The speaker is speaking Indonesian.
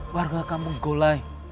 warga kampung golai